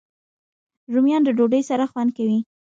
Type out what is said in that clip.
رومیان د ډوډۍ سره خوند کوي